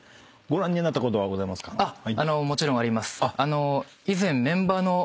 もちろんあります。